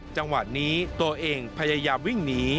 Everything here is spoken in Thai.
จังหวะนี้ตัวเองพยายามวิ่งหนี